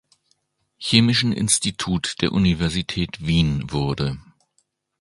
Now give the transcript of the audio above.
Chemischen Institut der Universität Wien wurde.